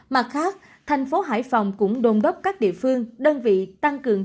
mặt khác thành phố hải phòng cũng đôn đốc các địa phương đơn vị tăng cường